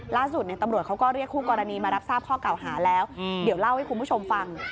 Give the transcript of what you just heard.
ล่าสุดตำรวจเขาก็เรียกคู่กรณีมารับทราบข้อเก่าหาแล้วเดี๋ยวเล่าให้คุณผู้ชมฟัง